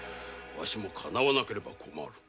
わしもかなわなければ困る。